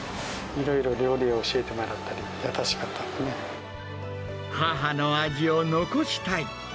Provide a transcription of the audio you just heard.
いろいろ料理を教えてもらったり、母の味を残したい。